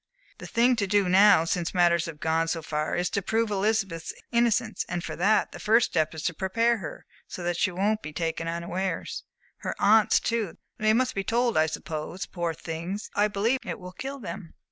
The thing to do now, since matters have gone so far, is to prove Elizabeth's innocence, and for that, the first step is to prepare her, so that she won't be taken unawares. Her aunts too they must be told, I suppose. Poor things, I believe it will kill them!"